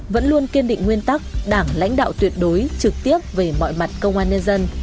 không kiên định nguyên tắc đảng lãnh đạo tuyệt đối trực tiếp về mọi mặt công an nhân dân